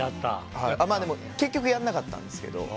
でも、結局やらなかったんですけど。